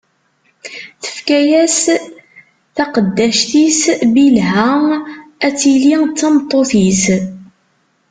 Tefka-as taqeddact-is Bilha, ad tili d tameṭṭut-is.